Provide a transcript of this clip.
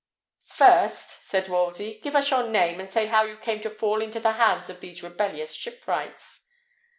"First," said Wolsey, "give us your name, and say how you came to fall into the hands of these rebellious shipwrights."